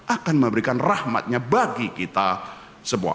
akan memberikan rahmatnya bagi kita semua